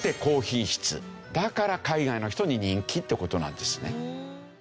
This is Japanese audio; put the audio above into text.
だから海外の人に人気って事なんですね。